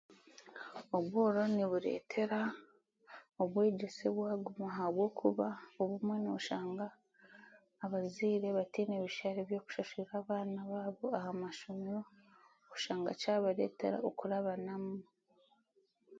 Obworo nibureetera obwegyese bwaguma, ahabwokuba obumwe nooshanga abazaire bataine bishare by'okushashurira abaana baabo omu mashomero oshanga kyabareetera okurabanamu.